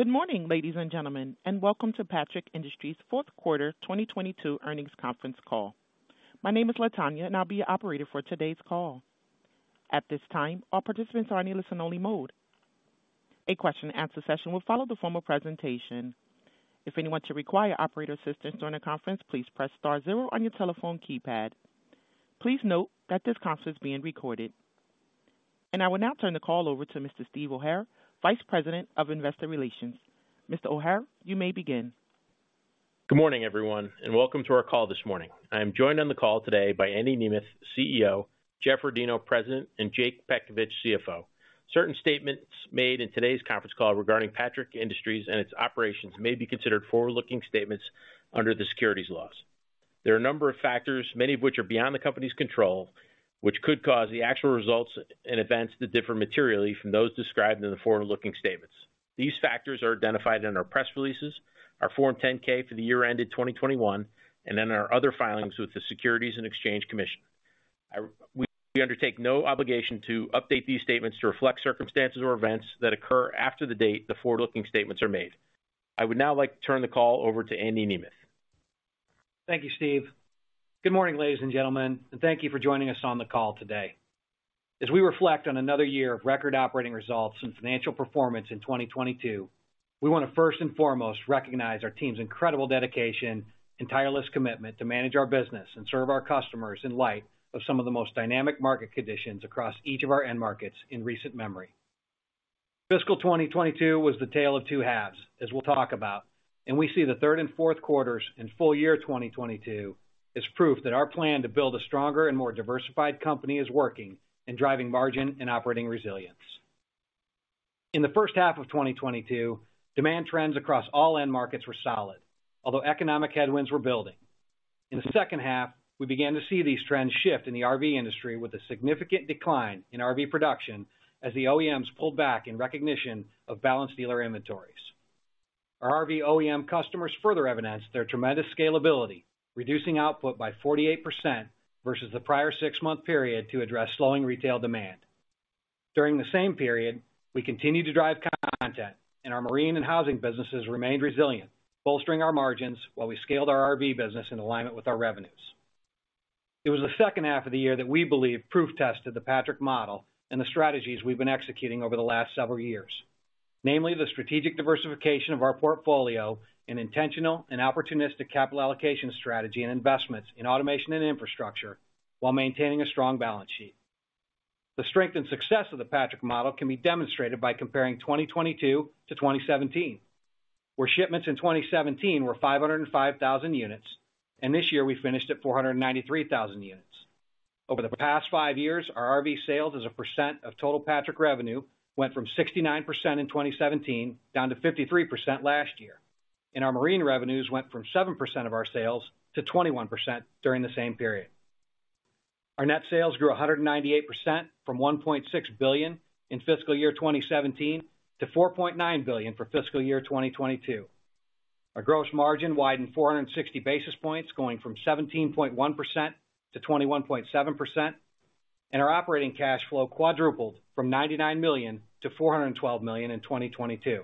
Good morning, ladies and gentlemen, welcome to Patrick Industries' fourth quarter 2022 earnings conference call. My name is Latonya, I'll be your operator for today's call. At this time, all participants are in a listen-only mode. A Q&A session will follow the formal presentation. If anyone should require operator assistance during the conference, please press star zero on your telephone keypad. Please note that this conference is being recorded. I will now turn the call over to Mr. Steve O'Hara, Vice President of Investor Relations. Mr. O'Hara, you may begin. Good morning, everyone, welcome to our call this morning. I am joined on the call today by Andy Nemeth, CEO, Jeff Rodino, President, and Jake Petkovich, CFO. Certain statements made in today's conference call regarding Patrick Industries and its operations may be considered forward-looking statements under the securities laws. There are a number of factors, many of which are beyond the company's control, which could cause the actual results and events to differ materially from those described in the forward-looking statements. These factors are identified in our press releases, our Form 10-K for the year ended 2021, and in our other filings with the Securities and Exchange Commission. We undertake no obligation to update these statements to reflect circumstances or events that occur after the date the forward-looking statements are made. I would now like to turn the call over to Andy Nemeth. Thank you, Steve. Good morning, ladies and gentlemen, and thank you for joining us on the call today. As we reflect on another year of record operating results and financial performance in 2022, we wanna first and foremost recognize our team's incredible dedication and tireless commitment to manage our business and serve our customers in light of some of the most dynamic market conditions across each of our end markets in recent memory. Fiscal 2022 was the tale of two halves, as we'll talk about, and we see the third and fourth quarters in full year 2022 as proof that our plan to build a stronger and more diversified company is working in driving margin and operating resilience. In the first half of 2022, demand trends across all end markets were solid, although economic headwinds were building. In the second half, we began to see these trends shift in the RV industry with a significant decline in RV production as the OEMs pulled back in recognition of balanced dealer inventories. Our RV OEM customers further evidenced their tremendous scalability, reducing output by 48% versus the prior six-month period to address slowing retail demand. During the same period, we continued to drive content, and our Marine and Housing businesses remained resilient, bolstering our margins while we scaled our RV business in alignment with our revenues. It was the second half of the year that we believe proof-tested the Patrick model and the strategies we've been executing over the last several years, namely the strategic diversification of our portfolio and intentional and opportunistic capital allocation strategy and investments in automation and infrastructure while maintaining a strong balance sheet. The strength and success of the Patrick model can be demonstrated by comparing 2022-2017, where shipments in 2017 were 505,000 units, and this year we finished at 493,000 units. Over the past years, our RV sales as a percent of total Patrick revenue went from 69% in 2017 down to 53% last year. Our Marine revenues went from 7% of our sales to 21% during the same period. Our net sales grew 198% from $1.6 billion in fiscal year 2017 to $4.9 billion for fiscal year 2022. Our gross margin widened 460 basis points, going from 17.1% to 21.7%. Our operating cash flow quadrupled from $99 million to $412 million in 2022.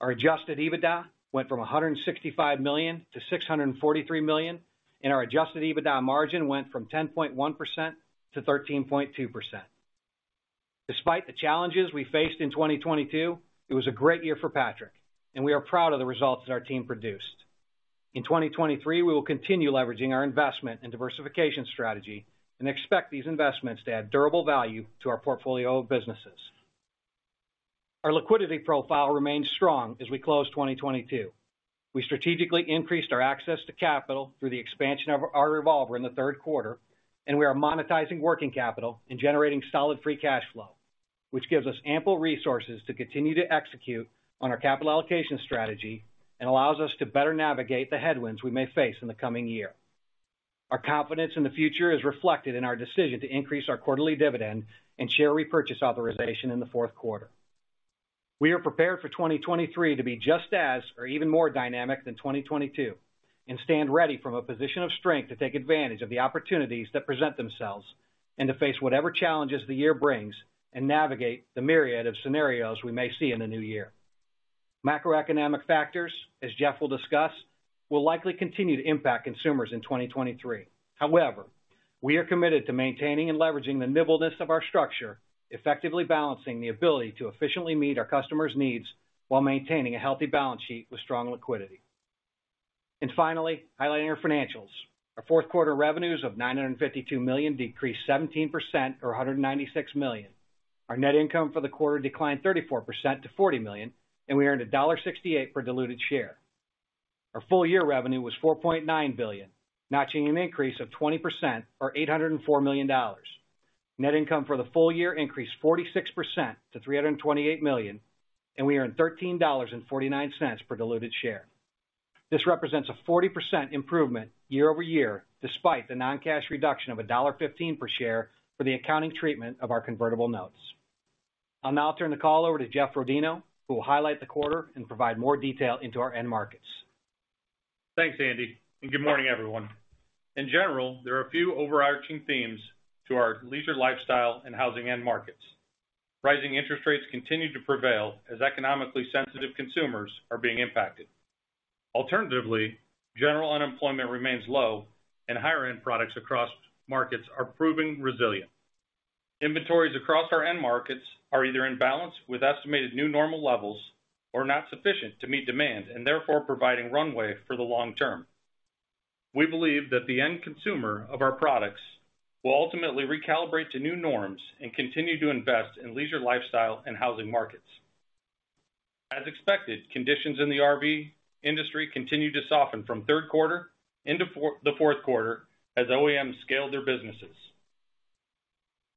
Our adjusted EBITDA went from $165 million to $643 million. Our adjusted EBITDA margin went from 10.1% to 13.2%. Despite the challenges we faced in 2022, it was a great year for Patrick. We are proud of the results that our team produced. In 2023, we will continue leveraging our investment and diversification strategy. We expect these investments to add durable value to our portfolio of businesses. Our liquidity profile remains strong as we close 2022. We strategically increased our access to capital through the expansion of our revolver in the third quarter. We are monetizing working capital and generating solid free cash flow, which gives us ample resources to continue to execute on our capital allocation strategy and allows us to better navigate the headwinds we may face in the coming year. Our confidence in the future is reflected in our decision to increase our quarterly dividend and share repurchase authorization in the fourth quarter. We are prepared for 2023 to be just as or even more dynamic than 2022 and stand ready from a position of strength to take advantage of the opportunities that present themselves and to face whatever challenges the year brings and navigate the myriad of scenarios we may see in the new year. Macroeconomic factors, as Jeff will discuss, will likely continue to impact consumers in 2023. However, we are committed to maintaining and leveraging the nimbleness of our structure, effectively balancing the ability to efficiently meet our customers' needs while maintaining a healthy balance sheet with strong liquidity. Finally, highlighting our financials. Our fourth quarter revenues of $952 million decreased 17% or $196 million. Our net income for the quarter declined 34% to $40 million. We earned $1.68 per diluted share. Our full year revenue was $4.9 billion, notching an increase of 20% or $804 million. Net income for the full year increased 46% to $328 million. We earned $13.49 per diluted share. This represents a 40% improvement year-over-year despite the non-cash reduction of $1.15 per share for the accounting treatment of our Convertible Notes. I'll now turn the call over to Jeff Rodino, who will highlight the quarter and provide more detail into our end markets. Thanks, Andy. Good morning, everyone. In general, there are a few overarching themes to our leisure lifestyle and housing end markets. Rising interest rates continue to prevail as economically sensitive consumers are being impacted. Alternatively, general unemployment remains low and higher end products across markets are proving resilient. Inventories across our end markets are either in balance with estimated new normal levels or not sufficient to meet demand and therefore providing runway for the long term. We believe that the end consumer of our products will ultimately recalibrate to new norms and continue to invest in leisure lifestyle and housing markets. As expected, conditions in the RV industry continued to soften from third quarter into the fourth quarter as OEMs scaled their businesses.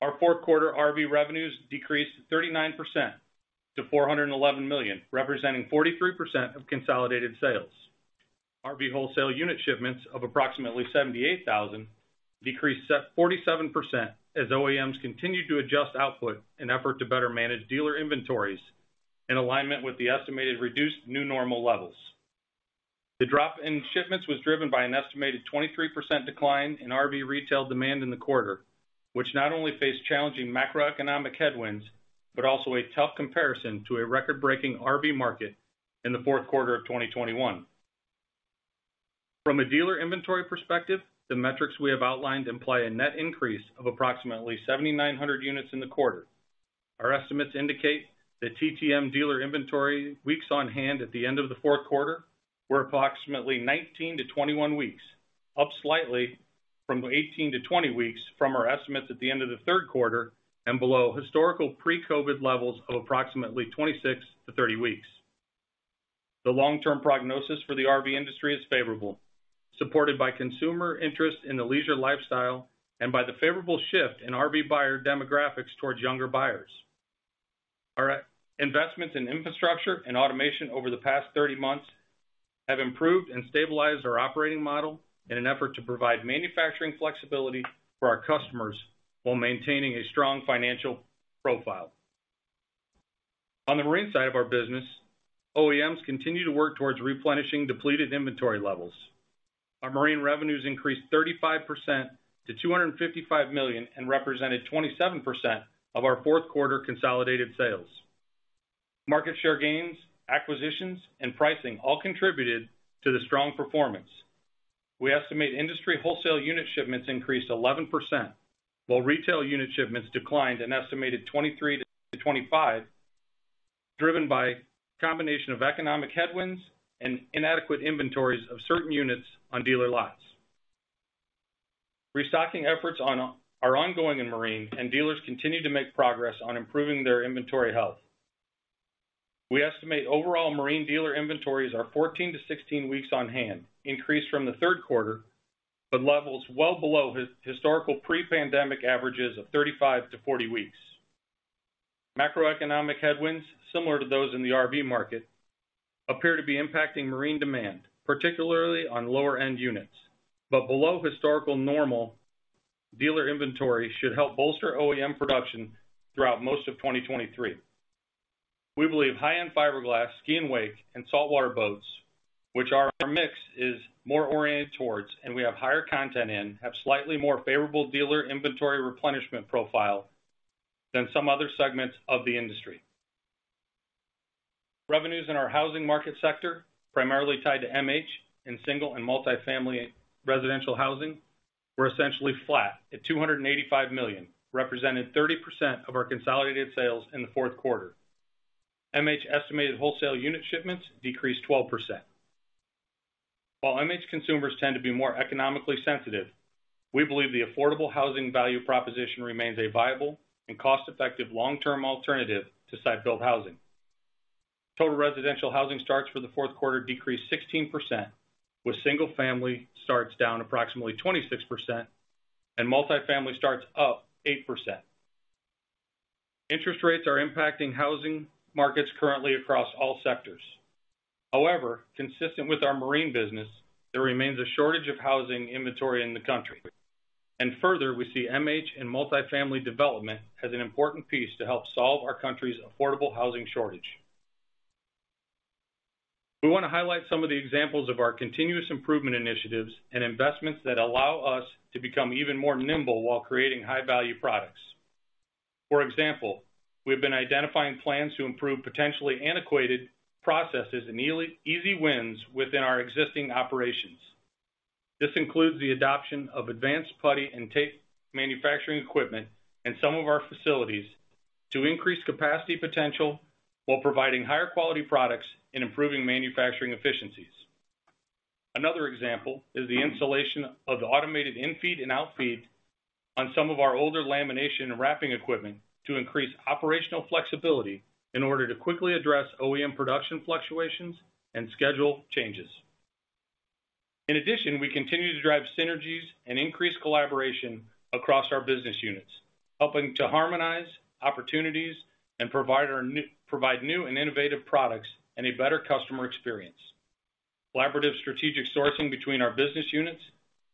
Our fourth quarter RV revenues decreased 39% to $411 million, representing 43% of consolidated sales. RV wholesale unit shipments of approximately 78,000 decreased 47% as OEMs continued to adjust output in effort to better manage dealer inventories in alignment with the estimated reduced new normal levels. The drop in shipments was driven by an estimated 23% decline in RV retail demand in the quarter, which not only faced challenging macroeconomic headwinds, but also a tough comparison to a record-breaking RV market in the fourth quarter of 2021. From a dealer inventory perspective, the metrics we have outlined imply a net increase of approximately 7,900 units in the quarter. Our estimates indicate that TTM dealer inventory weeks on hand at the end of the fourth quarter were approximately 19 weeks-21 weeks, up slightly from 18 weeks-20 weeks from our estimates at the end of the third quarter and below historical pre-COVID levels of approximately 26 weeks-30 weeks. The long-term prognosis for the RV industry is favorable, supported by consumer interest in the leisure lifestyle and by the favorable shift in RV buyer demographics towards younger buyers. Our investments in infrastructure and automation over the past 30 months have improved and stabilized our operating model in an effort to provide manufacturing flexibility for our customers while maintaining a strong financial profile. On the Marine side of our business, OEMs continue to work towards replenishing depleted inventory levels. Our Marine revenues increased 35% to $255 million and represented 27% of our fourth quarter consolidated sales. Market share gains, acquisitions, and pricing all contributed to the strong performance. We estimate industry wholesale unit shipments increased 11%, while retail unit shipments declined an estimated 23%-25%, driven by a combination of economic headwinds and inadequate inventories of certain units on dealer lots. Restocking efforts are ongoing in marine and dealers continue to make progress on improving their inventory health. We estimate overall marine dealer inventories are 14 weeks-16 weeks on hand, increased from the third quarter, but levels well below historical pre-pandemic averages of 35 weeks-40 weeks. Macroeconomic headwinds, similar to those in the RV market, appear to be impacting Marine demand, particularly on lower end units. Below historical normal dealer inventory should help bolster OEM production throughout most of 2023. We believe high-end fiberglass, ski and wake, and saltwater boats, which are our mix, is more oriented towards and we have higher content in, have slightly more favorable dealer inventory replenishment profile than some other segments of the industry. Revenues in our housing market sector, primarily tied to MH in single and multifamily residential housing, were essentially flat at $285 million, representing 30% of our consolidated sales in the fourth quarter. MH estimated wholesale unit shipments decreased 12%. While MH consumers tend to be more economically sensitive, we believe the affordable housing value proposition remains a viable and cost-effective long-term alternative to site-built housing. Total residential housing starts for the fourth quarter decreased 16%, with single-family starts down approximately 26% and multifamily starts up 8%. Interest rates are impacting housing markets currently across all sectors. However, consistent with our Marine business, there remains a shortage of housing inventory in the country. Further, we see MH and multifamily development as an important piece to help solve our country's affordable housing shortage. We wanna highlight some of the examples of our continuous improvement initiatives and investments that allow us to become even more nimble while creating high value products. We've been identifying plans to improve potentially antiquated processes and easy wins within our existing operations. This includes the adoption of advanced putty and tape manufacturing equipment in some of our facilities to increase capacity potential while providing higher quality products and improving manufacturing efficiencies. Another example is the installation of the automated in-feed and out-feed on some of our older lamination and wrapping equipment to increase operational flexibility in order to quickly address OEM production fluctuations and schedule changes. We continue to drive synergies and increase collaboration across our business units, helping to harmonize opportunities and provide new and innovative products and a better customer experience. Collaborative strategic sourcing between our business units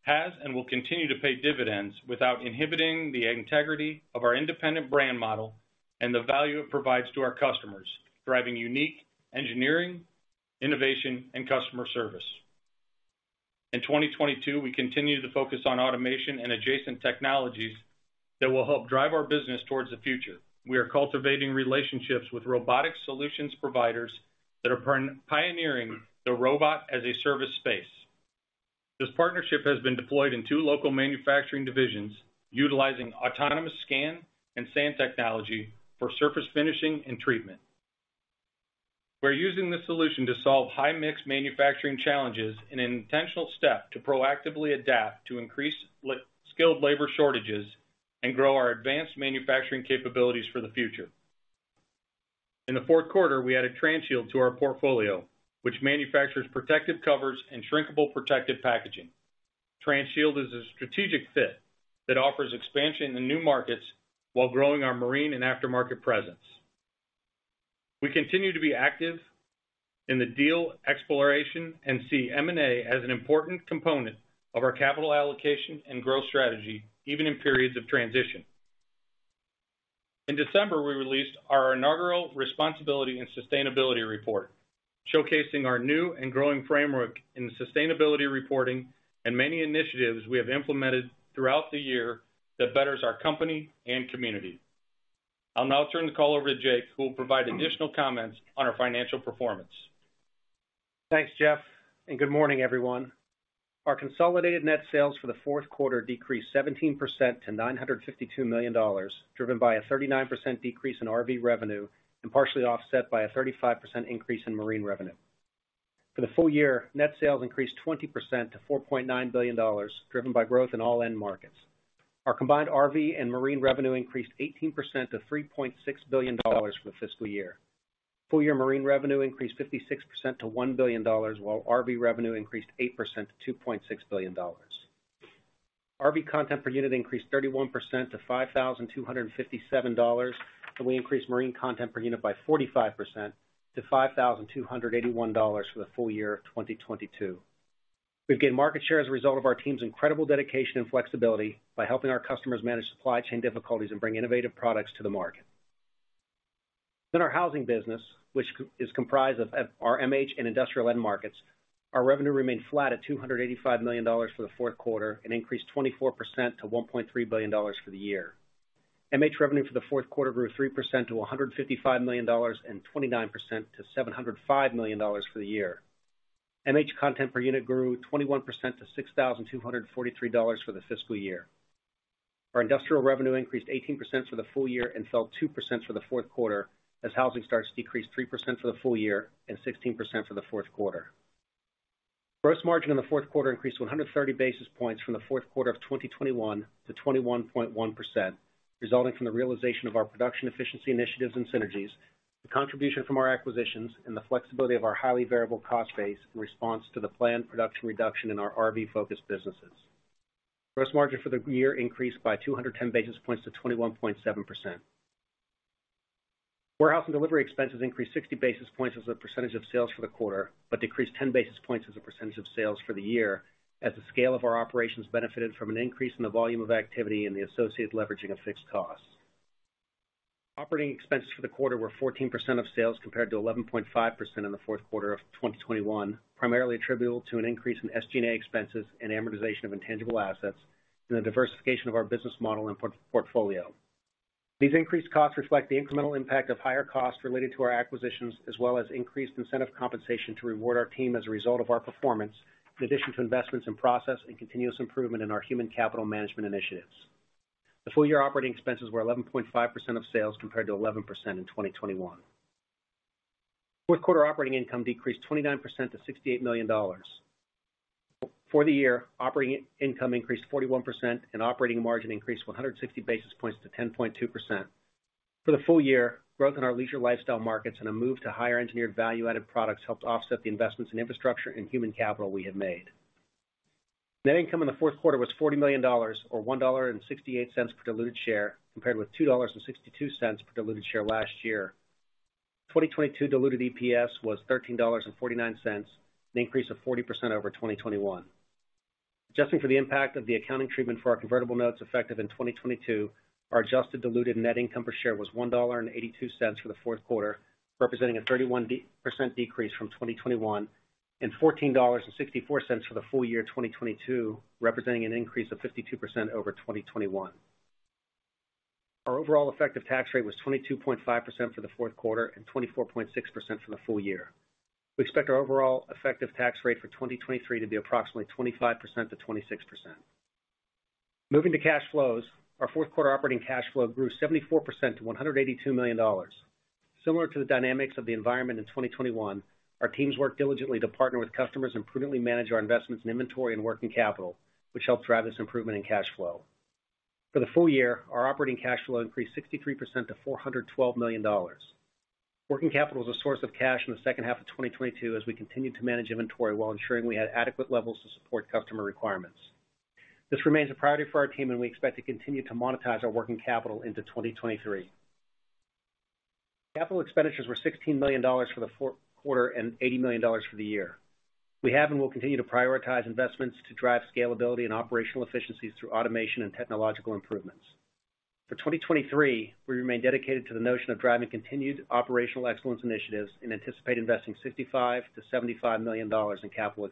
has and will continue to pay dividends without inhibiting the integrity of our independent brand model and the value it provides to our customers, driving unique engineering, innovation, and customer service. In 2022, we continue to focus on automation and adjacent technologies that will help drive our business towards the future. We are cultivating relationships with robotic solutions providers that are pioneering the Robot as a Service space. This partnership has been deployed in two local manufacturing divisions utilizing autonomous scan and sand technology for surface finishing and treatment. We're using this solution to solve high-mix manufacturing challenges in an intentional step to proactively adapt to increase skilled labor shortages and grow our advanced manufacturing capabilities for the future. In the fourth quarter, we added Transhield to our portfolio, which manufactures protective covers and shrinkable protective packaging. Transhield is a strategic fit that offers expansion in the new markets while growing our Marine and aftermarket presence. We continue to be active in the deal exploration and see M&A as an important component of our capital allocation and growth strategy, even in periods of transition. In December, we released our inaugural responsibility and sustainability report, showcasing our new and growing framework in sustainability reporting and many initiatives we have implemented throughout the year that betters our company and community. I'll now turn the call over to Jake, who will provide additional comments on our financial performance. Thanks, Jeff, and good morning, everyone. Our consolidated net sales for the fourth quarter decreased 17% to $952 million, driven by a 39% decrease in RV revenue and partially offset by a 35% increase in Marine revenue. For the full year, net sales increased 20% to $4.9 billion, driven by growth in all end markets. Our combined RV and Marine revenue increased 18% to $3.6 billion for the fiscal year. Full year Marine revenue increased 56% to $1 billion, while RV revenue increased 8% to $2.6 billion. RV content per unit increased 31% to $5,257, and we increased Marine content per unit by 45% to $5,281 for the full year of 2022. We've gained market share as a result of our team's incredible dedication and flexibility by helping our customers manage supply chain difficulties and bring innovative products to the market. Our Housing business, which is comprised of our MH and industrial end markets, our revenue remained flat at $285 million for the fourth quarter and increased 24% to $1.3 billion for the year. MH revenue for the fourth quarter grew 3% to $155 million and 29% to $705 million for the year. MH content per unit grew 21% to $6,243 for the fiscal year. Our industrial revenue increased 18% for the full year and fell 2% for the fourth quarter as housing starts decreased 3% for the full year and 16% for the fourth quarter. Gross margin in the fourth quarter increased 130 basis points from the fourth quarter of 2021 to 21.1%, resulting from the realization of our production efficiency initiatives and synergies, the contribution from our acquisitions, and the flexibility of our highly variable cost base in response to the planned production reduction in our RV-focused businesses. Gross margin for the year increased by 210 basis points to 21.7%. Warehouse and delivery expenses increased 60 basis points as a percentage of sales for the quarter, decreased 10 basis points as a percentage of sales for the year as the scale of our operations benefited from an increase in the volume of activity and the associated leveraging of fixed costs. Operating expenses for the quarter were 14% of sales compared to 11.5% in the fourth quarter of 2021, primarily attributable to an increase in SG&A expenses and amortization of intangible assets and the diversification of our business model and port-portfolio. These increased costs reflect the incremental impact of higher costs related to our acquisitions, as well as increased incentive compensation to reward our team as a result of our performance, in addition to investments in process and continuous improvement in our human capital management initiatives. The full year operating expenses were 11.5% of sales compared to 11% in 2021. Fourth quarter operating income decreased 29% to $68 million. For the year, operating income increased 41% and operating margin increased 160 basis points to 10.2%. For the full year, growth in our leisure lifestyle markets and a move to higher engineered value-added products helped offset the investments in infrastructure and human capital we had made. Net income in the fourth quarter was $40 million or $1.68 per diluted share, compared with $2.62 per diluted share last year. 2022 diluted EPS was $13.49, an increase of 40% over 2021. Adjusting for the impact of the accounting treatment for our Convertible Senior Notes effective in 2022, our adjusted diluted net income per share was $1.82 for the fourth quarter, representing a 31% decrease from 2021, and $14.64 for the full year 2022, representing an increase of 52% over 2021. Our overall effective tax rate was 22.5% for the fourth quarter and 24.6% for the full year. We expect our overall effective tax rate for 2023 to be approximately 25%-26%. Moving to cash flows. Our fourth quarter operating cash flow grew 74% to $182 million. Similar to the dynamics of the environment in 2021, our teams worked diligently to partner with customers and prudently manage our investments in inventory and working capital, which helped drive this improvement in cash flow. For the full year, our operating cash flow increased 63% to $412 million. Working capital is a source of cash in the second half of 2022 as we continued to manage inventory while ensuring we had adequate levels to support customer requirements. This remains a priority for our team, and we expect to continue to monetize our working capital into 2023. Capital expenditures were $16 million for the fourth quarter and $80 million for the year. We have and will continue to prioritize investments to drive scalability and operational efficiencies through automation and technological improvements. For 2023, we remain dedicated to the notion of driving continued operational excellence initiatives and anticipate investing $65 million-$75 million in CapEx.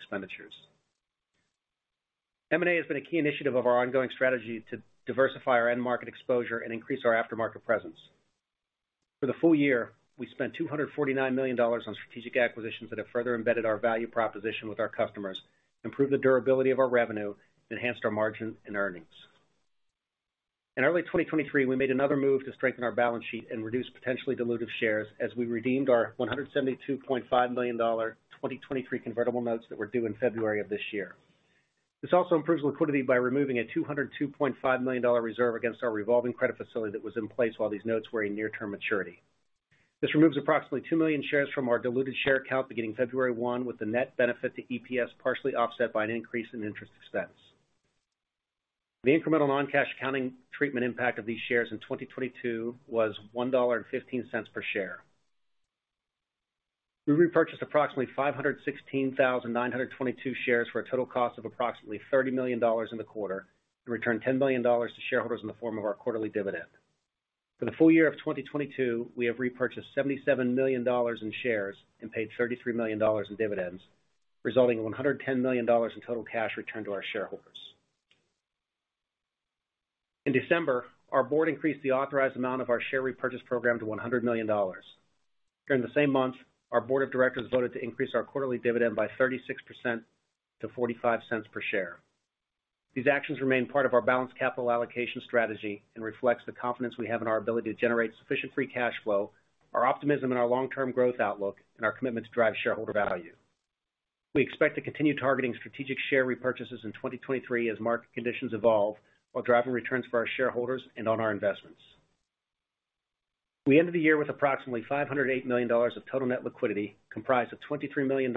M&A has been a key initiative of our ongoing strategy to diversify our end market exposure and increase our aftermarket presence. For the full year, we spent $249 million on strategic acquisitions that have further embedded our value proposition with our customers, improved the durability of our revenue, enhanced our margin and earnings. In early 2023, we made another move to strengthen our balance sheet and reduce potentially dilutive shares as we redeemed our $172.5 million 2023 Convertible Senior Notes that were due in February of this year. This also improves liquidity by removing a $202.5 million reserve against our revolving credit facility that was in place while these notes were in near-term maturity. This removes approximately 2 million shares from our diluted share count beginning February 1, with the net benefit to EPS partially offset by an increase in interest expense. The incremental non-cash accounting treatment impact of these shares in 2022 was $1.15 per share. We repurchased approximately 516,922 shares for a total cost of approximately $30 million in the quarter and returned $10 million to shareholders in the form of our quarterly dividend. For the full year of 2022, we have repurchased $77 million in shares and paid $33 million in dividends, resulting in $110 million in total cash returned to our shareholders. In December, our board increased the authorized amount of our share repurchase program to $100 million. During the same month, our board of directors voted to increase our quarterly dividend by 36% to $0.45 per share. These actions remain part of our balanced capital allocation strategy and reflects the confidence we have in our ability to generate sufficient free cash flow, our optimism in our long-term growth outlook, and our commitment to drive shareholder value. We expect to continue targeting strategic share repurchases in 2023 as market conditions evolve, while driving returns for our shareholders and on our investments. We ended the year with approximately $508 million of total net liquidity, comprised of $23 million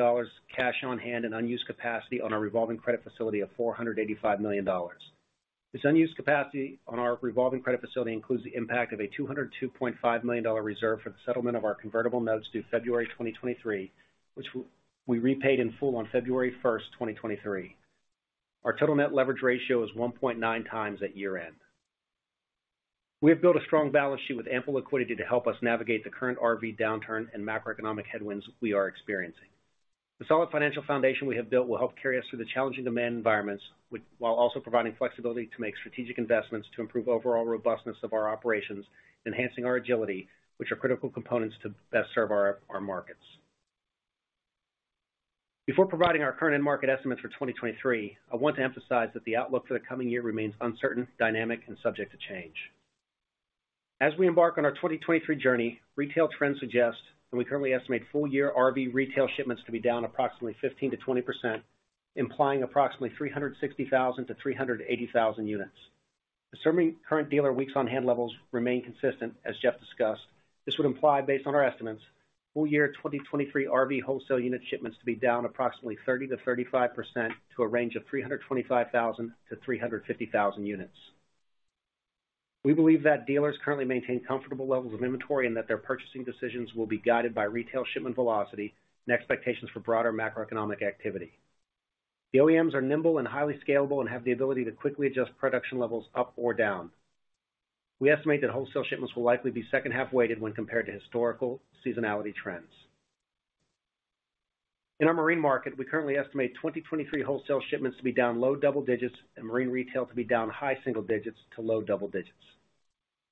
cash on hand and unused capacity on our revolving credit facility of $485 million. This unused capacity on our revolving credit facility includes the impact of a $202.5 million reserve for the settlement of our Convertible Notes due February 2023, which we repaid in full on February 1st, 2023. Our total net leverage ratio is 1.9 times at year-end. We have built a strong balance sheet with ample liquidity to help us navigate the current RV downturn and macroeconomic headwinds we are experiencing. The solid financial foundation we have built will help carry us through the challenging demand environments, while also providing flexibility to make strategic investments to improve overall robustness of our operations, enhancing our agility, which are critical components to best serve our markets. Before providing our current end market estimates for 2023, I want to emphasize that the outlook for the coming year remains uncertain, dynamic, and subject to change. As we embark on our 2023 journey, retail trends suggest, and we currently estimate full year RV retail shipments to be down approximately 15%-20%, implying approximately 360,000 units-380,000 units. Assuming current dealer weeks on hand levels remain consistent, as Jeff discussed, this would imply, based on our estimates, full year 2023 RV wholesale unit shipments to be down approximately 30%-35% to a range of 325,000 units-350,000 units. We believe that dealers currently maintain comfortable levels of inventory and that their purchasing decisions will be guided by retail shipment velocity and expectations for broader macroeconomic activity. The OEMs are nimble and highly scalable and have the ability to quickly adjust production levels up or down. We estimate that wholesale shipments will likely be second half weighted when compared to historical seasonality trends. In our Marine market, we currently estimate 2023 wholesale shipments to be down low double digits and Marine retail to be down high single digits to low double digits.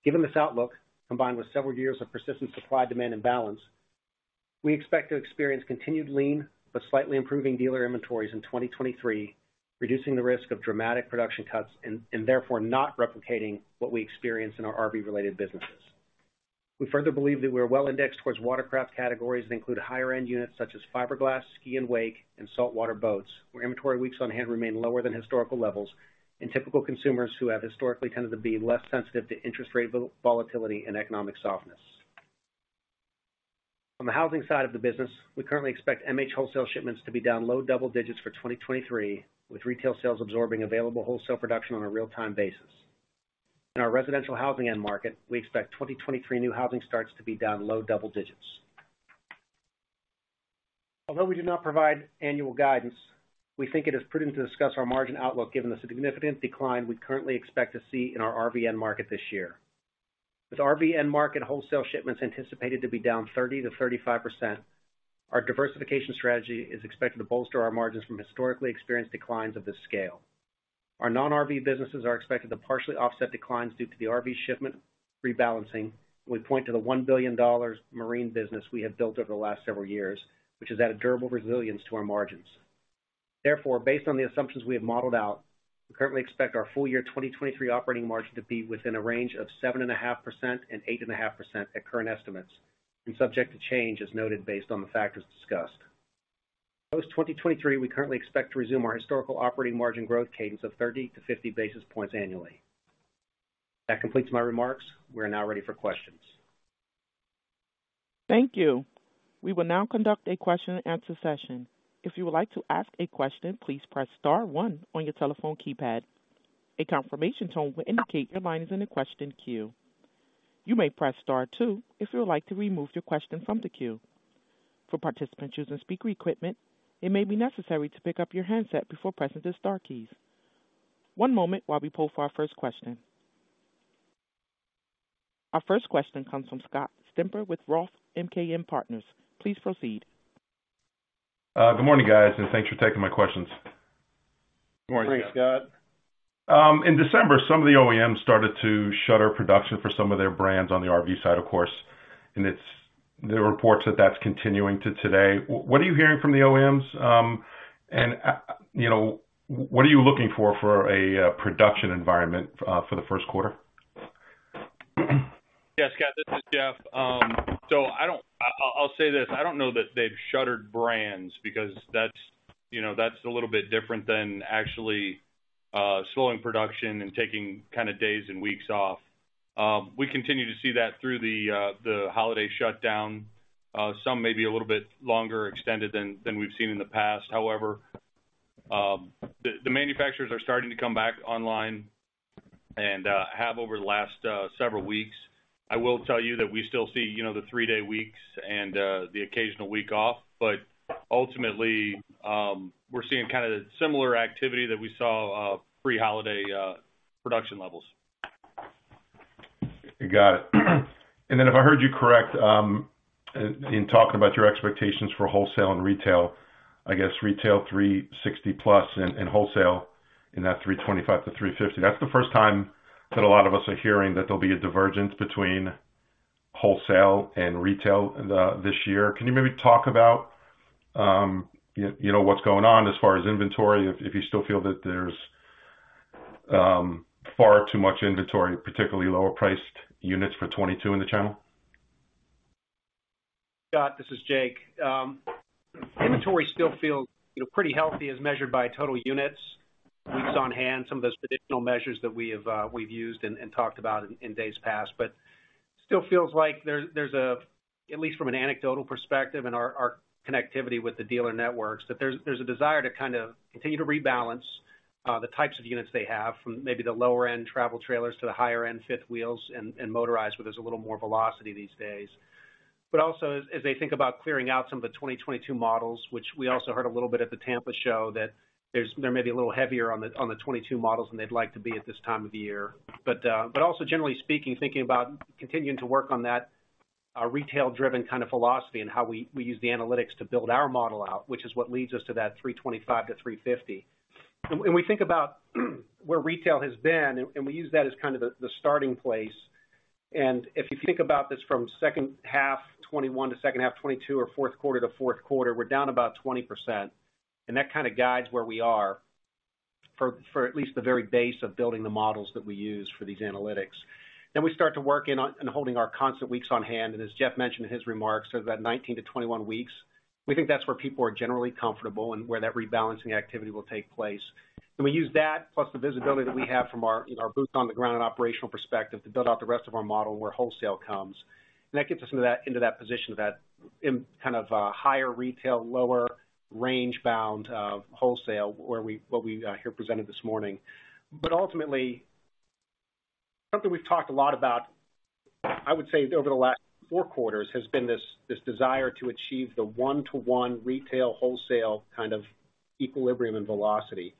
Given this outlook, combined with several years of persistent supply-demand imbalance, we expect to experience continued lean but slightly improving dealer inventories in 2023, reducing the risk of dramatic production cuts and therefore not replicating what we experience in our RV-related businesses. We further believe that we are well indexed towards watercraft categories that include higher end units such as fiberglass, ski and wake, and saltwater boats, where inventory weeks on hand remain lower than historical levels and typical consumers who have historically tended to be less sensitive to interest rate volatility and economic softness. On the Housing side of the business, we currently expect MH wholesale shipments to be down low double digits for 2023, with retail sales absorbing available wholesale production on a real-time basis. In our residential housing end market, we expect 2023 new housing starts to be down low double digits. Although we do not provide annual guidance, we think it is prudent to discuss our margin outlook given the significant decline we currently expect to see in our RV end market this year. With RV end market wholesale shipments anticipated to be down 30%-35%, our diversification strategy is expected to bolster our margins from historically experienced declines of this scale. Our non-RV businesses are expected to partially offset declines due to the RV shipment rebalancing. We point to the $1 billion Marine business we have built over the last several years, which has added durable resilience to our margins. Based on the assumptions we have modeled out, we currently expect our full year 2023 operating margin to be within a range of 7.5% and 8.5% at current estimates, and subject to change as noted based on the factors discussed. Post 2023, we currently expect to resume our historical operating margin growth cadence of 30 basis points-50 basis points annually. That completes my remarks. We are now ready for questions. Thank you. We will now conduct a Q&A session. If you would like to ask a question, please press star one on your telephone keypad. A confirmation tone will indicate your line is in the question queue. You may press star two if you would like to remove your question from the queue. For participants using speaker equipment, it may be necessary to pick up your handset before pressing the star keys. One moment while we pull for our first question. Our first question comes from Scott Stember with ROTH MKM Partners. Please proceed. Good morning, guys. Thanks for taking my questions. Good morning, Scott. Great, Scott. In December, some of the OEMs started to shutter production for some of their brands on the RV side, of course. It's the reports that that's continuing to today. What are you hearing from the OEMs? You know, what are you looking for a production environment for the first quarter? Yeah, Scott, this is Jeff. I'll say this: I don't know that they've shuttered brands because that's, you know, that's a little bit different than actually slowing production and taking kind of days and weeks off. We continue to see that through the holiday shutdown, some maybe a little bit longer extended than we've seen in the past. However, the manufacturers are starting to come back online and have over the last several weeks. I will tell you that we still see, you know, the three-day weeks and the occasional week off. Ultimately, we're seeing kind of similar activity that we saw pre-holiday production levels. Got it. If I heard you correct, in talking about your expectations for wholesale and retail. I guess retail 360,000+ units and wholesale in that 325,000 units-350,000 units. That's the first time that a lot of us are hearing that there'll be a divergence between wholesale and retail this year. Can you maybe talk about, you know, what's going on as far as inventory, if you still feel that there's far too much inventory, particularly lower priced units for 2022 in the channel? Scott, this is Jake. Inventory still feels, you know, pretty healthy as measured by total units, weeks on hand, some of those traditional measures that we have, we've used and talked about in days past. Still feels like there's a, at least from an anecdotal perspective and our connectivity with the dealer networks, that there's a desire to kind of continue to rebalance, the types of units they have from maybe the lower end travel trailers to the higher end fifth wheels and motorized, where there's a little more velocity these days. Also as they think about clearing out some of the 2022 models, which we also heard a little bit at the Tampa show, that they may be a little heavier on the 2022 models than they'd like to be at this time of the year. Also generally speaking, thinking about continuing to work on that retail-driven kind of philosophy and how we use the analytics to build our model out, which is what leads us to that 325,000 units-350,000 units. When we think about where retail has been, and we use that as kind of the starting place. If you think about this from second half 2021 to second half 2022 or fourth quarter to fourth quarter, we're down about 20%. That kind of guides where we are for at least the very base of building the models that we use for these analytics. We start to work on and holding our constant weeks on hand. As Jeff mentioned in his remarks, so that 19 weeks-21 weeks, we think that's where people are generally comfortable and where that rebalancing activity will take place. We use that plus the visibility that we have from our, you know, our boots on the ground operational perspective to build out the rest of our model where wholesale comes. That gets us into that, into that position of that in kind of higher retail, lower range bound of wholesale where we what we here presented this morning. Ultimately, something we've talked a lot about, I would say over the last four quarters, has been this desire to achieve the one-to-one retail wholesale kind of equilibrium and velocity.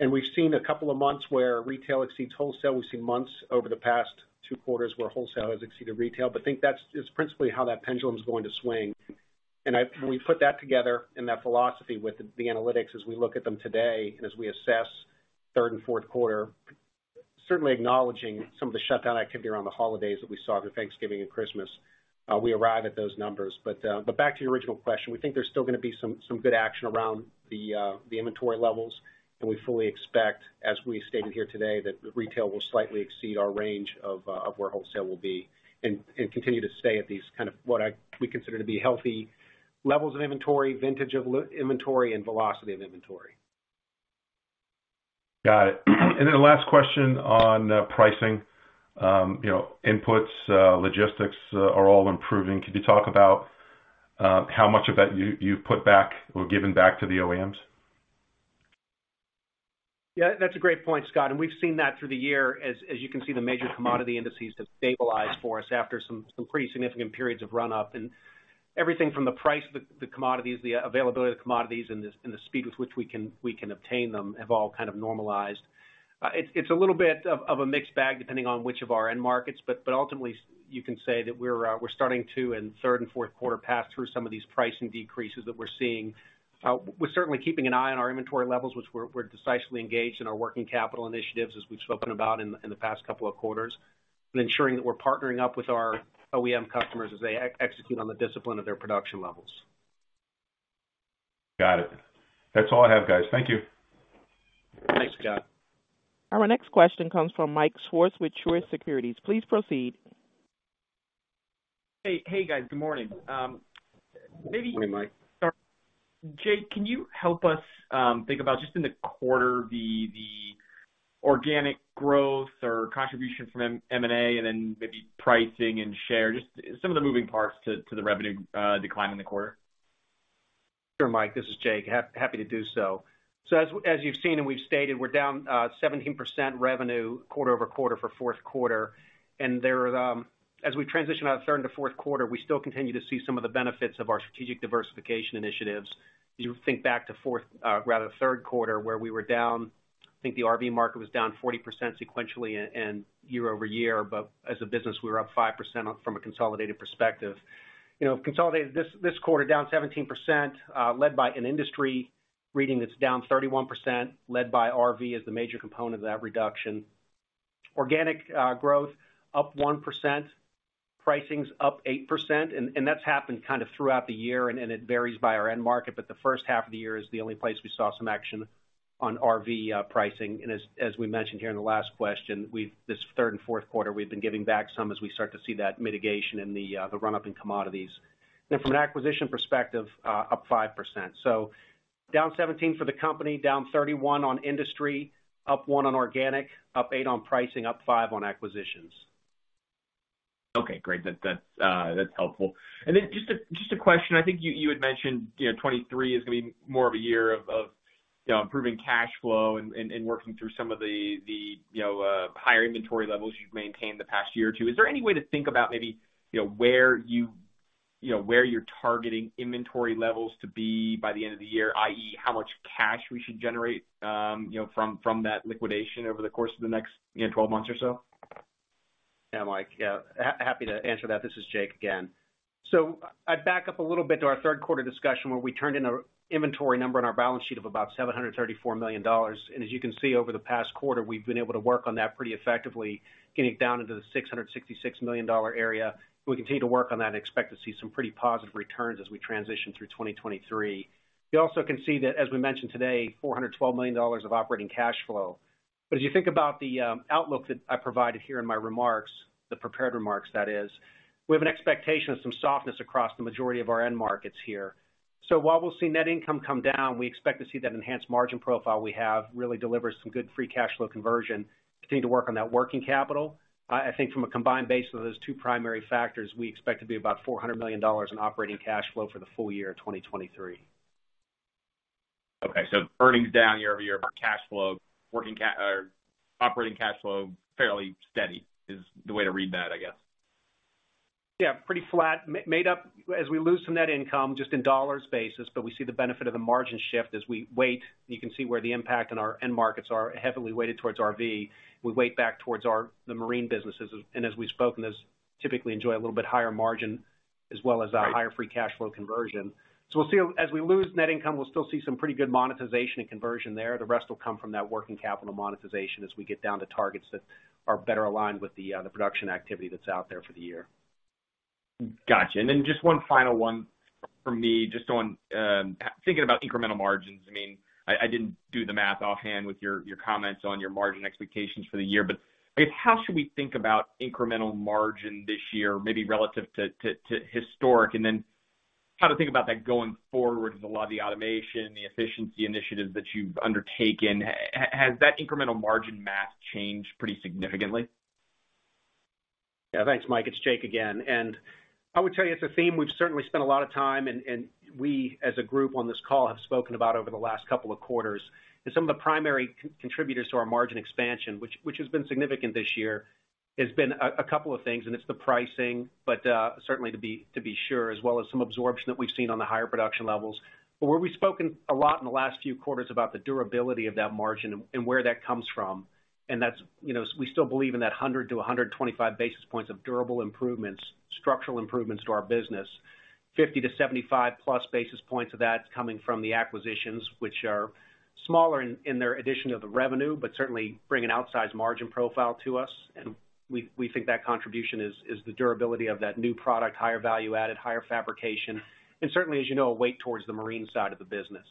We've seen a couple of months where retail exceeds wholesale. We've seen months over the past two quarters where wholesale has exceeded retail. I think that's just principally how that pendulum is going to swing. We put that together and that philosophy with the analytics as we look at them today and as we assess third and fourth quarter, certainly acknowledging some of the shutdown activity around the holidays that we saw through Thanksgiving and Christmas, we arrive at those numbers. Back to your original question. We think there's still gonna be some good action around the inventory levels. We fully expect, as we stated here today, that retail will slightly exceed our range of where wholesale will be and continue to stay at these kind of what we consider to be healthy levels of inventory, vintage of inventory and velocity of inventory. Got it. Last question on pricing. You know, inputs, logistics, are all improving. Could you talk about how much of that you've put back or given back to the OEMs? Yeah, that's a great point, Scott. We've seen that through the year. As you can see, the major commodity indices have stabilized for us after some pretty significant periods of run up. Everything from the price of the commodities, the availability of the commodities, and the speed with which we can obtain them have all kind of normalized. It's a little bit of a mixed bag depending on which of our end markets, but ultimately, you can say that we're starting to in third and fourth quarter pass through some of these pricing decreases that we're seeing. We're certainly keeping an eye on our inventory levels, which we're decisively engaged in our working capital initiatives as we've spoken about in the past couple of quarters, and ensuring that we're partnering up with our OEM customers as they execute on the discipline of their production levels. Got it. That's all I have, guys. Thank you. Thanks, Scott. Our next question comes from Mike Swartz with Truist Securities. Please proceed. Hey. Hey, guys. Good morning. Good morning, Mike. Sorry. Jake, can you help us think about just in the quarter, the organic growth or contribution from M&A and then maybe pricing and share, just some of the moving parts to the revenue decline in the quarter? Sure, Mike, this is Jake. Happy to do so. As you've seen and we've stated, we're down 17% revenue quarter-over-quarter for fourth quarter, and there are. As we transition out of third into fourth quarter, we still continue to see some of the benefits of our strategic diversification initiatives. You think back to fourth, rather, third quarter, where we were down, I think the RV market was down 40% sequentially and year-over-year. As a business, we were up 5% from a consolidated perspective. You know, consolidated this quarter down 17%, led by an industry reading that's down 31%, led by RV as the major component of that reduction. Organic growth up 1%, pricing's up 8%. That's happened kind of throughout the year, and it varies by our end market, but the first half of the year is the only place we saw some action on RV pricing. As we mentioned here in the last question, we've, this third and fourth quarter, we've been giving back some as we start to see that mitigation in the run-up in commodities. From an acquisition perspective, up 5%. Down 17% for the company, down 31% on industry, up 1% on organic, up 8% on pricing, up 5% on acquisitions. Okay. Great. That's helpful. Just a question. I think you had mentioned, you know, 2023 is gonna be more of a year of, you know, improving cash flow and working through some of the, you know, higher inventory levels you've maintained the past year or two. Is there any way to think about maybe, you know, where you know, where you're targeting inventory levels to be by the end of the year, i.e., how much cash we should generate, you know, from that liquidation over the course of the next, you know, 12 months or so? Mike, yeah, happy to answer that. This is Jake again. I'd back up a little bit to our third quarter discussion, where we turned in a inventory number on our balance sheet of about $734 million. As you can see over the past quarter, we've been able to work on that pretty effectively, getting it down into the $666 million area. We continue to work on that and expect to see some pretty positive returns as we transition through 2023. You also can see that, as we mentioned today, $412 million of operating cash flow. As you think about the outlook that I provided here in my remarks, the prepared remarks that is, we have an expectation of some softness across the majority of our end markets here. While we'll see net income come down, we expect to see that enhanced margin profile we have really deliver some good free cash flow conversion, continue to work on that working capital. I think from a combined base of those two primary factors, we expect to be about $400 million in operating cash flow for the full year of 2023. Okay. Earnings down year-over-year, but operating cash flow fairly steady is the way to read that, I guess. Pretty flat. Made up as we lose some net income just in dollar basis, but we see the benefit of the margin shift as we wait. You can see where the impact on our end markets are heavily weighted towards RV. We weight back towards our the Marine businesses and as we've spoken, those typically enjoy a little bit higher margin as well as a higher free cash flow conversion. We'll see as we lose net income, we'll still see some pretty good monetization and conversion there. The rest will come from that working capital monetization as we get down to targets that are better aligned with the production activity that's out there for the year. Gotcha. Just one final one from me just on thinking about incremental margins. I didn't do the math offhand with your comments on your margin expectations for the year. I guess, how should we think about incremental margin this year, maybe relative to historic, and then how to think about that going forward with a lot of the automation, the efficiency initiatives that you've undertaken? Has that incremental margin math changed pretty significantly? Yeah. Thanks, Mike. It's Jake again. I would tell you it's a theme we've certainly spent a lot of time and we as a group on this call have spoken about over the last couple of quarters, is some of the primary contributors to our margin expansion, which has been significant this year, has been a couple of things, and it's the pricing, but certainly to be sure, as well as some absorption that we've seen on the higher production levels. Where we've spoken a lot in the last few quarters about the durability of that margin and where that comes from, and that's, you know, we still believe in that 100 basis points-125 basis points of durable improvements, structural improvements to our business. 50 basis points-75+ basis points of that's coming from the acquisitions, which are smaller in their addition of the revenue, but certainly bring an outsized margin profile to us. We think that contribution is the durability of that new product, higher value added, higher fabrication, and certainly, as you know, a weight towards the Marine side of the business.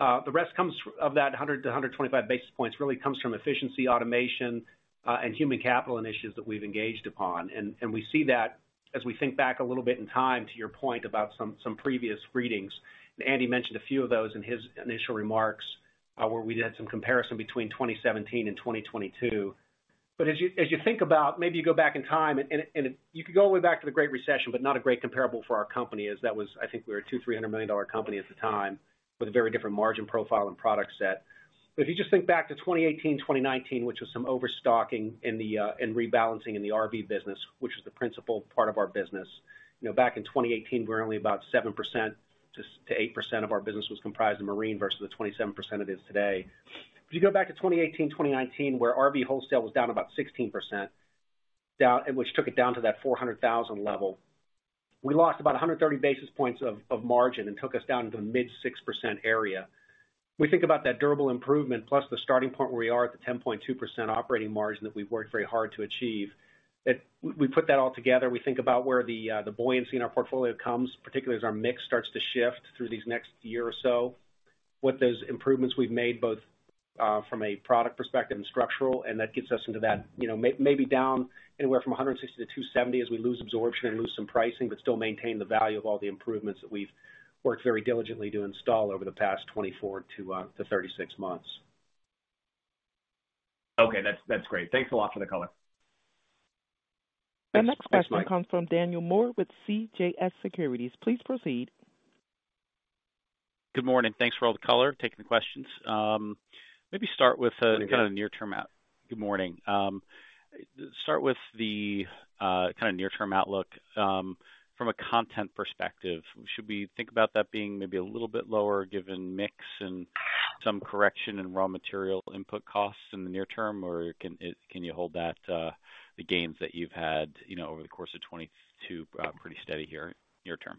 The rest comes of that 100 basis points-125 basis points really comes from efficiency, automation, and human capital initiatives that we've engaged upon. We see that as we think back a little bit in time, to your point about some previous readings, and Andy mentioned a few of those in his initial remarks, where we did some comparison between 2017 and 2022. As you think about, maybe you go back in time and you could go all the way back to the Great Recession, but not a great comparable for our company as that was, I think we were a $200 million, $300 million company at the time with a very different margin profile and product set. If you just think back to 2018, 2019, which was some overstocking in rebalancing in the RV business, which is the principal part of our business. You know, back in 2018, we were only about 7%-8% of our business was comprised of Marine versus the 27% it is today. If you go back to 2018, 2019, where RV wholesale was down about 16%, which took it down to that 400,000 level. We lost about 130 basis points of margin and took us down to the mid 6% area. We think about that durable improvement plus the starting point where we are at the 10.2% operating margin that we've worked very hard to achieve. We put that all together, we think about where the buoyancy in our portfolio comes, particularly as our mix starts to shift through these next year or so. What those improvements we've made, both from a product perspective and structural, and that gets us into that, you know, maybe down anywhere from 160-270 as we lose absorption and lose some pricing, but still maintain the value of all the improvements that we've worked very diligently to install over the past 24 months-36 months. Okay, that's great. Thanks a lot for the color. Thanks. Thanks, Mike. Our next question comes from Daniel Moore with CJS Securities. Please proceed. Good morning. Thanks for all the color, taking the questions. maybe start with kind of near term out. Good morning. Good morning. Start with the kind of near-term outlook. From a content perspective, should we think about that being maybe a little bit lower given mix and some correction in raw material input costs in the near term? Or can you hold that the gains that you've had, you know, over the course of 2022, pretty steady here near term?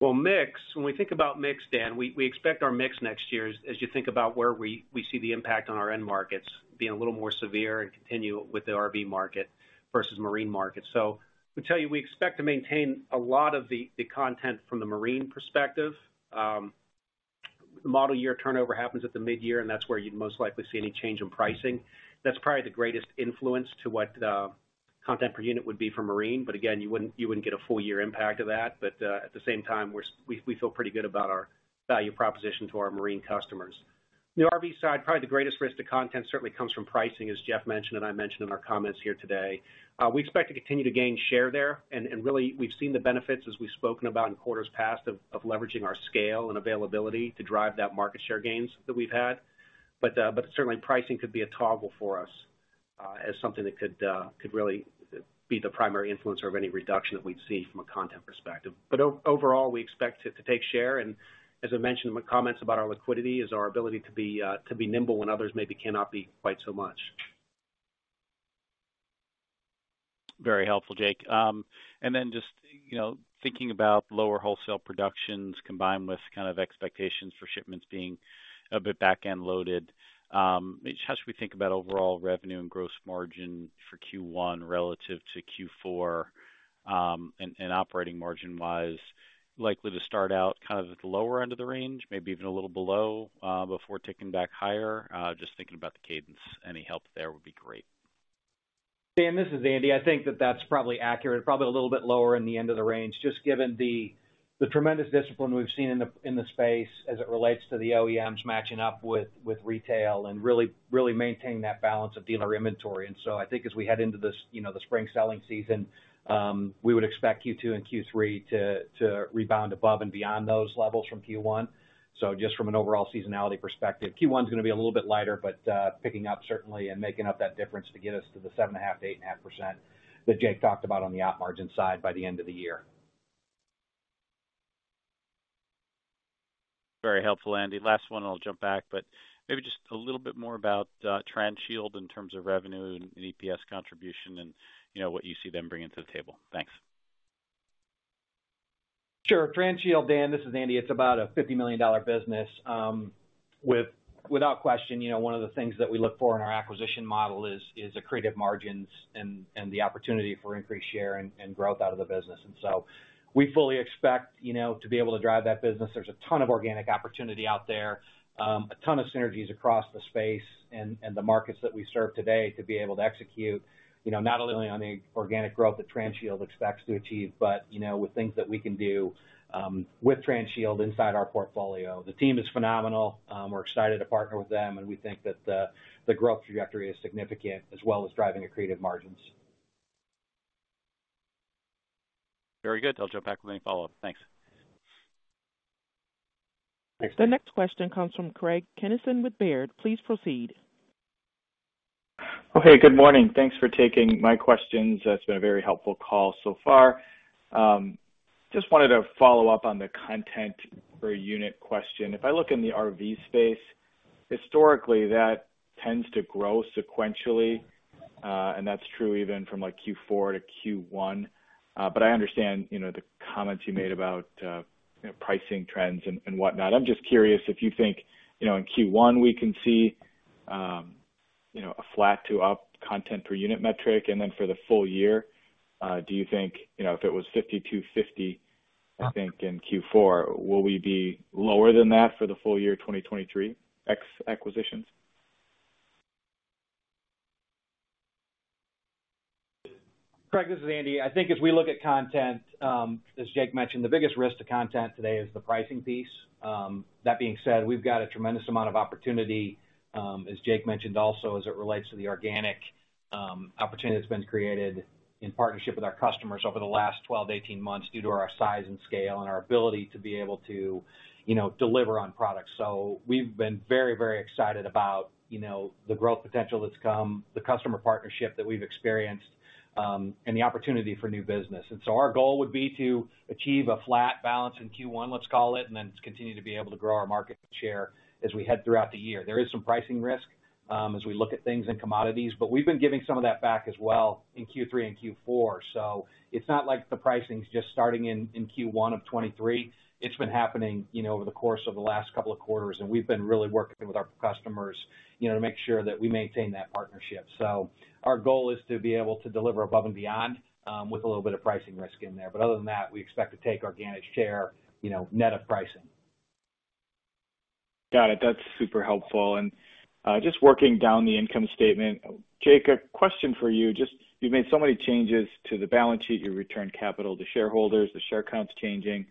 Well, mix. When we think about mix, Dan, we expect our mix next year, as you think about where we see the impact on our end markets being a little more severe and continue with the RV market versus Marine market. To tell you, we expect to maintain a lot of the content from the Marine perspective. The model year turnover happens at the mid-year, and that's where you'd most likely see any change in pricing. That's probably the greatest influence to what content per unit would be for Marine. Again, you wouldn't get a full year impact of that. At the same time, we feel pretty good about our value proposition to our Marine customers. The RV side, probably the greatest risk to content certainly comes from pricing, as Jeff mentioned and I mentioned in our comments here today. We expect to continue to gain share there. Really we've seen the benefits, as we've spoken about in quarters past, of leveraging our scale and availability to drive that market share gains that we've had. Certainly pricing could be a toggle for us, as something that could really be the primary influencer of any reduction that we'd see from a content perspective. Overall, we expect to take share. As I mentioned in my comments about our liquidity, is our ability to be nimble when others maybe cannot be quite so much. Very helpful, Jake. Just, you know, thinking about lower wholesale productions combined with kind of expectations for shipments being a bit back-end loaded, how should we think about overall revenue and gross margin for Q1 relative to Q4, and operating margin wise, likely to start out kind of at the lower end of the range, maybe even a little below, before ticking back higher? Just thinking about the cadence. Any help there would be great. Daniel, this is Andy. I think that that's probably accurate. Probably a little bit lower in the end of the range, just given the tremendous discipline we've seen in the space as it relates to the OEMs matching up with retail and really maintain that balance of dealer inventory. I think as we head into you know, the spring selling season, we would expect Q2 and Q3 to rebound above and beyond those levels from Q1. Just from an overall seasonality perspective, Q1 is gonna be a little bit lighter, but picking up certainly and making up that difference to get us to the 7.5%-8.5% that Jake talked about on the op margin side by the end of the year. Very helpful, Andy. Last one and I'll jump back. Maybe just a little bit more about Transhield in terms of revenue and EPS contribution and, you know, what you see them bringing to the table. Thanks. Sure. Transhield, Dan, this is Andy. It's about a $50 million business. Without question, you know, one of the things that we look for in our acquisition model is accretive margins and the opportunity for increased share and growth out of the business. We fully expect, you know, to be able to drive that business. There's a ton of organic opportunity out there, a ton of synergies across the space and the markets that we serve today to be able to execute, you know, not only on the organic growth that Transhield expects to achieve, but, you know, with things that we can do with Transhield inside our portfolio. The team is phenomenal. We're excited to partner with them, and we think that the growth trajectory is significant, as well as driving accretive margins. Very good. I'll jump back with any follow-up. Thanks. Thanks, Dan. The next question comes from Craig Kennison with Baird. Please proceed. Okay, good morning. Thanks for taking my questions. It's been a very helpful call so far. Just wanted to follow up on the content per unit question. If I look in the RV space, historically, that tends to grow sequentially, and that's true even from like Q4 to Q1. I understand, you know, the comments you made about, you know, pricing trends and whatnot. I'm just curious if you think, you know, in Q1 we can see, you know, a flat to up content per unit metric and then for the full year, do you think, you know, if it was $5,250, I think in Q4, will we be lower than that for the full year 2023, ex acquisitions? Craig, this is Andy. I think as we look at content, as Jake mentioned, the biggest risk to content today is the pricing piece. That being said, we've got a tremendous amount of opportunity, as Jake mentioned also as it relates to the organic, opportunity that's been created in partnership with our customers over the last 12 months-18 months due to our size and scale and our ability to be able to, you know, deliver on products. We've been very, very excited about, you know, the growth potential that's come, the customer partnership that we've experienced, and the opportunity for new business. Our goal would be to achieve a flat balance in Q1, let's call it, and then continue to be able to grow our market share as we head throughout the year. There is some pricing risk as we look at things in commodities, but we've been giving some of that back as well in Q3 and Q4. It's not like the pricing is just starting in Q1 of 2023. It's been happening, you know, over the course of the last couple of quarters, and we've been really working with our customers, you know, to make sure that we maintain that partnership. Our goal is to be able to deliver above and beyond with a little bit of pricing risk in there. Other than that, we expect to take organic share, you know, net of pricing. Got it. That's super helpful. Just working down the income statement. Jake, a question for you. Just you've made so many changes to the balance sheet, you returned capital to shareholders, the share count's changing.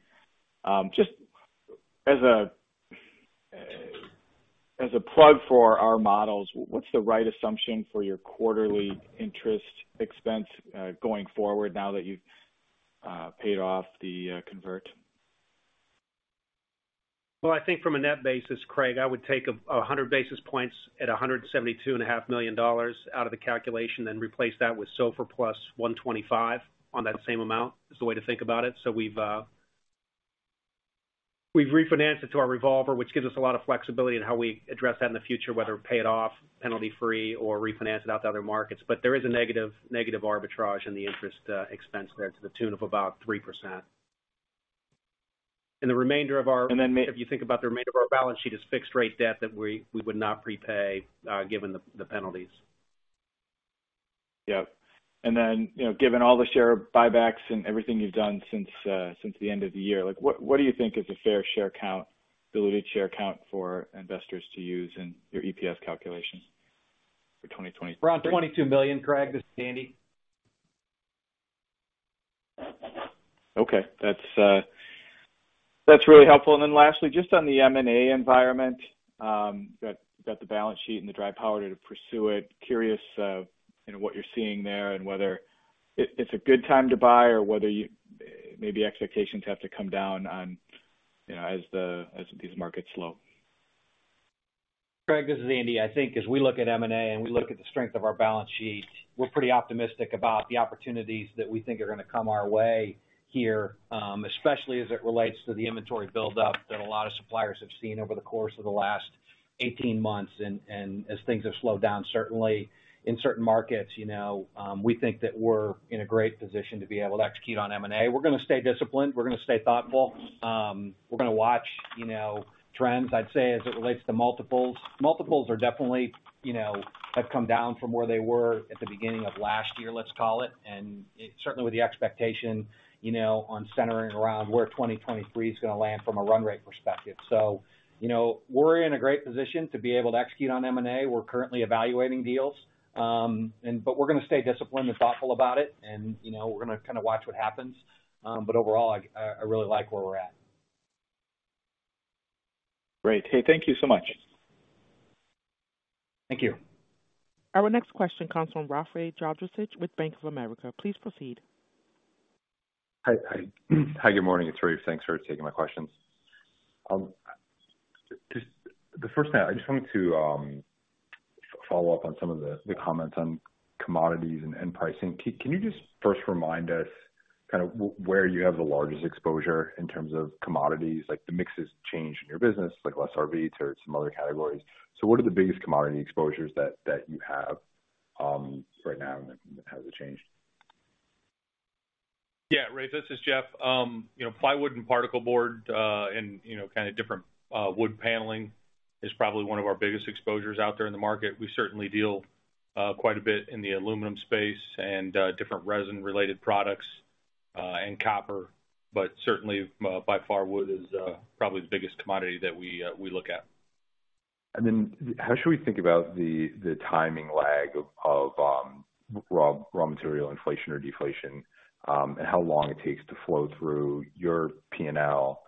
As a plug for our models, what's the right assumption for your quarterly interest expense going forward now that you've paid off the convert? I think from a net basis, Craig, I would take 100 basis points at $172.5 million out of the calculation, then replace that with SOFR + 125 on that same amount. Is the way to think about it. We've refinanced it to our revolver, which gives us a lot of flexibility in how we address that in the future, whether pay it off penalty-free or refinance it out to other markets. There is a negative arbitrage in the interest expense there to the tune of about 3%. The remainder of our balance sheet is fixed rate debt that we would not prepay given the penalties. Yep. You know, given all the share buybacks and everything you've done since the end of the year, like, what do you think is a fair share count, diluted share count for investors to use in your EPS calculations for 2023? We're on $22 million, Craig. This is Andy. Okay. That's really helpful. Lastly, just on the M&A environment, that the balance sheet and the dry powder to pursue it. Curious, you know, what you're seeing there and whether it's a good time to buy or whether maybe expectations have to come down on, you know, as these markets slow? Craig, this is Andy. I think as we look at M&A and we look at the strength of our balance sheet, we're pretty optimistic about the opportunities that we think are gonna come our way here, especially as it relates to the inventory buildup that a lot of suppliers have seen over the course of the last 18 months. As things have slowed down, certainly in certain markets, you know, we think that we're in a great position to be able to execute on M&A. We're gonna stay disciplined. We're gonna stay thoughtful. We're gonna watch, you know, trends. I'd say, as it relates to multiples are definitely, you know, have come down from where they were at the beginning of last year, let's call it. Certainly with the expectation, you know, on centering around where 2023 is gonna land from a run rate perspective. You know, we're in a great position to be able to execute on M&A. We're currently evaluating deals. We're gonna stay disciplined and thoughtful about it and, you know, we're gonna kinda watch what happens. Overall, I really like where we're at. Great. Hey, thank you so much. Thank you. Our next question comes from Rafe Jadrosich with Bank of America. Please proceed. Hi. Hi. Hi, good morning, it's Rafe. Thanks for taking my questions. Just the first thing, I just wanted to follow up on some of the comments on commodities and pricing. Can you just first remind us kind of where you have the largest exposure in terms of commodities, like the mixes change in your business, like less RV to some other categories? What are the biggest commodity exposures that you have right now, and has it changed? Yeah. Rafe, this is Jeff. You know, plywood and particle board, and, you know, kinda different, wood paneling is probably one of our biggest exposures out there in the market. We certainly deal quite a bit in the aluminum space and different resin-related products and copper. Certainly, by far, wood is probably the biggest commodity that we look at. How should we think about the timing lag of raw material inflation or deflation, and how long it takes to flow through your P&L,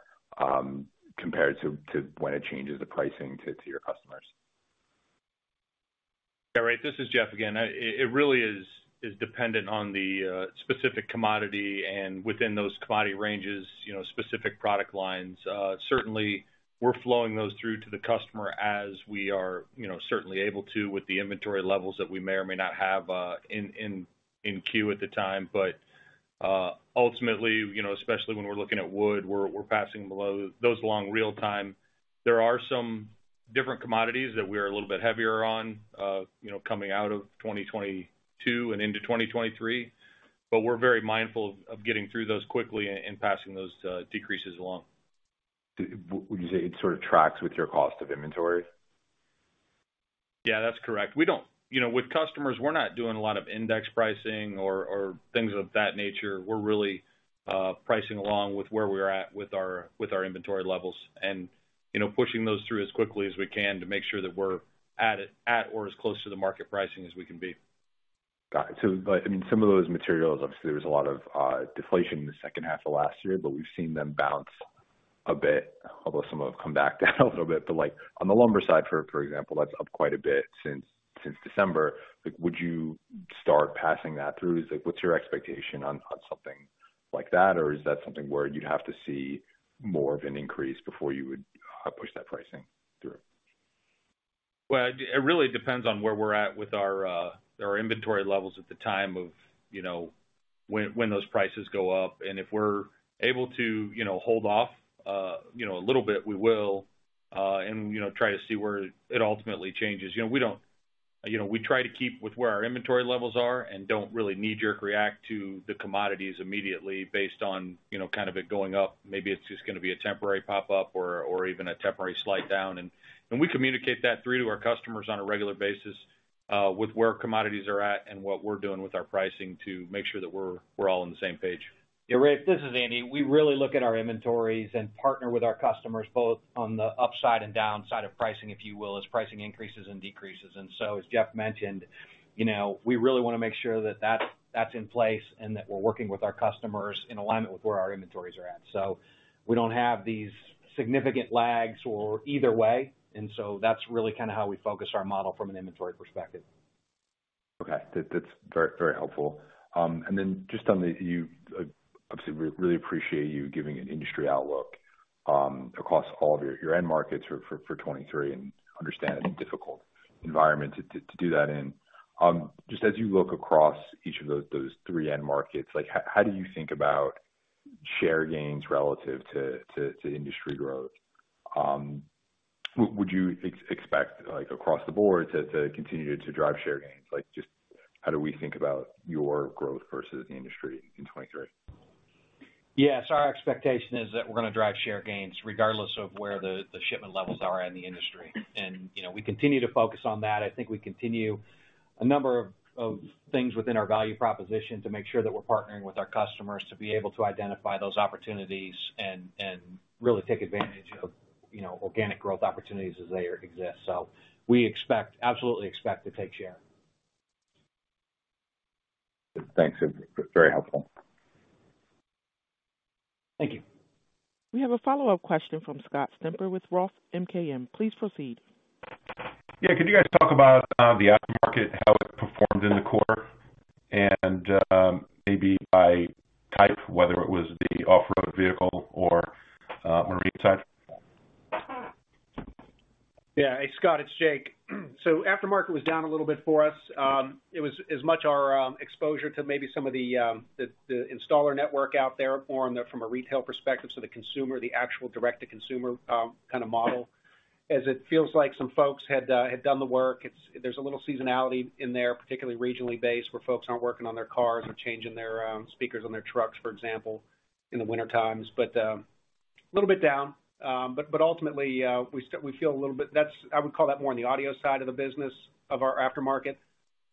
compared to when it changes the pricing to your customers? Yeah. Rafe, this is Jeff again. It really is dependent on the specific commodity and within those commodity ranges, you know, specific product lines. Certainly we're flowing those through to the customer as we are, you know, certainly able to with the inventory levels that we may or may not have in queue at the time. Ultimately, you know, especially when we're looking at wood, we're passing below those long real-time. There are some different commodities that we're a little bit heavier on, you know, coming out of 2022 and into 2023, but we're very mindful of getting through those quickly and passing those decreases along. Would you say it sort of tracks with your cost of inventory? Yeah, that's correct. You know, with customers, we're not doing a lot of index pricing or things of that nature. We're really pricing along with where we're at with our inventory levels and, you know, pushing those through as quickly as we can to make sure that we're at or as close to the market pricing as we can be. Got it. I mean, some of those materials, obviously, there was a lot of deflation in the second half of last year, but we've seen them bounce a bit, although some have come back down a little bit. Like on the lumber side, for example, that's up quite a bit since December. Like, would you start passing that through? Like, what's your expectation on something like that? Or is that something where you'd have to see more of an increase before you would push that pricing through? Well, it really depends on where we're at with our inventory levels at the time of, you know, when those prices go up. If we're able to, you know, hold off, you know, a little bit, we will, and, you know, try to see where it ultimately changes. You know, we try to keep with where our inventory levels are and don't really knee-jerk react to the commodities immediately based on, you know, kind of it going up. Maybe it's just gonna be a temporary pop-up or even a temporary slight down. We communicate that through to our customers on a regular basis, with where commodities are at and what we're doing with our pricing to make sure that we're all on the same page. Yeah, Rafe, this is Andy. We really look at our inventories and partner with our customers both on the upside and downside of pricing, if you will, as pricing increases and decreases. As Jeff mentioned, you know, we really wanna make sure that that's in place and that we're working with our customers in alignment with where our inventories are at. We don't have these significant lags or either way. That's really kind of how we focus our model from an inventory perspective. Okay. That's very, very helpful. Then, obviously, we really appreciate you giving an industry outlook across all of your end markets for 2023 and understand it's a difficult environment to do that in. As you look across each of those three end markets, like how do you think about share gains relative to industry growth? Would you expect, like across the board to continue to drive share gains? Like just how do we think about your growth versus the industry in 2023? Yes, our expectation is that we're gonna drive share gains regardless of where the shipment levels are in the industry. you know, we continue to focus on that. I think we continue a number of things within our value proposition to make sure that we're partnering with our customers to be able to identify those opportunities and really take advantage of, you know, organic growth opportunities as they exist. We expect... absolutely expect to take share. Thanks. It's very helpful. Thank you. We have a follow-up question from Scott Stember with ROTH MKM. Please proceed. Yeah. Could you guys talk about the aftermarket, how it performed in the quarter? Maybe by type, whether it was the off-road vehicle or marine type. Yeah. Hey, Scott, it's Jake. Aftermarket was down a little bit for us. It was as much our exposure to maybe some of the installer network out there or from a retail perspective, so the consumer, the actual direct to consumer kind of model, as it feels like some folks had done the work. There's a little seasonality in there, particularly regionally based, where folks aren't working on their cars or changing their speakers on their trucks, for example, in the winter times. A little bit down. But ultimately, we feel a little bit that's... I would call that more on the Audio side of the business of our aftermarket.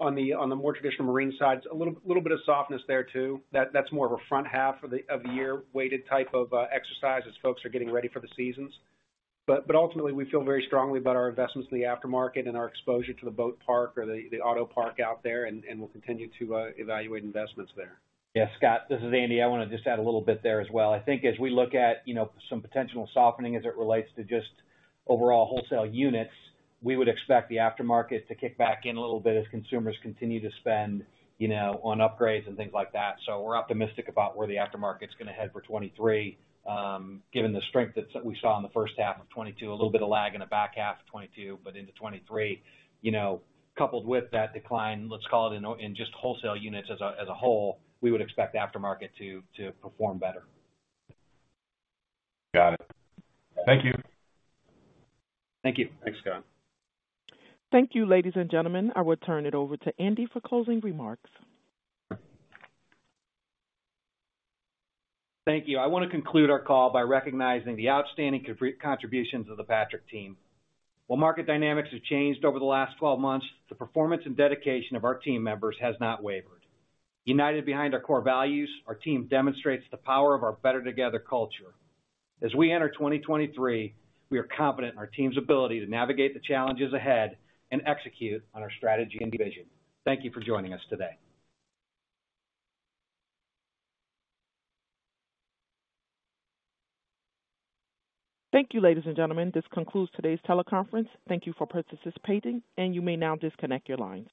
On the more traditional Marine side, a little bit of softness there too. That's more of a front half of the year weighted type of exercise as folks are getting ready for the seasons. Ultimately we feel very strongly about our investments in the aftermarket and our exposure to the boat park or the auto park out there, and we'll continue to evaluate investments there. Scott, this is Andy. I wanna just add a little bit there as well. I think as we look at, you know, some potential softening as it relates to just overall wholesale units, we would expect the aftermarket to kick back in a little bit as consumers continue to spend, you know, on upgrades and things like that. We're optimistic about where the aftermarket's gonna head for 2023, given the strength that we saw in the first half of 2022, a little bit of lag in the back half of 2022. Into 2023, you know, coupled with that decline, let's call it in just wholesale units as a whole, we would expect aftermarket to perform better. Got it. Thank you. Thank you. Thanks, Scott. Thank you, ladies and gentlemen. I will turn it over to Andy for closing remarks. Thank you. I wanna conclude our call by recognizing the outstanding contributions of the Patrick team. While market dynamics have changed over the last 12 months, the performance and dedication of our team members has not wavered. United behind our core values, our team demonstrates the power of our BETTER Together culture. As we enter 2023, we are confident in our team's ability to navigate the challenges ahead and execute on our strategy and vision. Thank you for joining us today. Thank you, ladies and gentlemen. This concludes today's teleconference. Thank you for participating. You may now disconnect your lines.